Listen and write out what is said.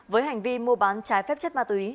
với hành vi mua bán trái phép chất ma túy